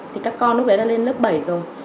thì các con lúc đấy đã lên lớp bảy rồi